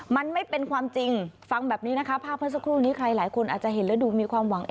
มันไม่เป็นความจริงฟังแบบนี้นะคะภาพเมื่อสักครู่นี้ใครหลายคนอาจจะเห็นแล้วดูมีความหวัง